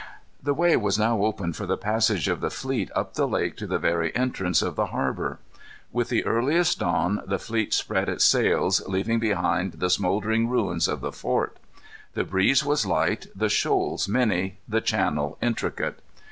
The way was now open for the passage of the fleet up the lake to the very entrance of the harbor. With the earliest dawn the fleet spread its sails, leaving behind the smouldering ruins of the fort. The breeze was light, the shoals many, the channel intricate.